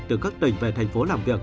từ các tỉnh về tp làm việc